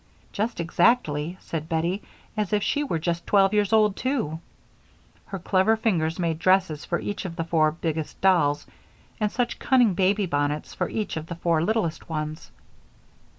"Just exactly," said Bettie, "as if she were just twelve years old, too." Her clever fingers made dresses for each of the four biggest dolls, and such cunning baby bonnets for each of the four littlest ones.